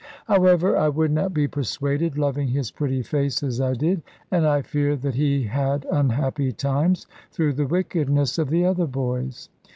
However, I would not be persuaded, loving his pretty face as I did; and I fear that he had unhappy times, through the wickedness of the other boys.